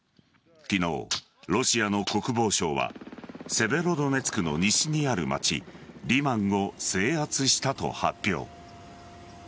昨日、ロシアの国防省はセベロドネツクの西にある街リマンを制圧したと発表。